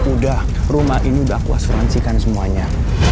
udah rumah ini udah aku asuransikan semuanya